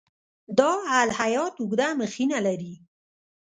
دا الهیات اوږده مخینه لري.